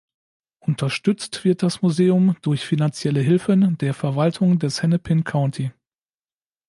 Unterstützt wird das Museum durch finanzielle Hilfen der Verwaltung des Hennepin County.